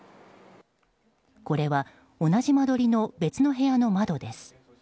これは同じ間取りの別の部屋の窓です。